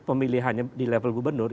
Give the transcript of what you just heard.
pemilihannya di level gubernur